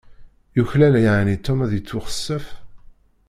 Yuklal yeεni Tom ad ittuḥasef?